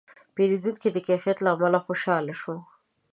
پیرودونکی د کیفیت له امله خوشاله شو.